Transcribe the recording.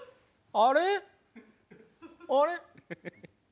あれ？